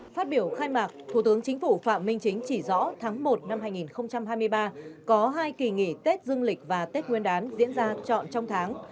phát biểu khai mạc thủ tướng chính phủ phạm minh chính chỉ rõ tháng một năm hai nghìn hai mươi ba có hai kỳ nghỉ tết dương lịch và tết nguyên đán diễn ra trọn trong tháng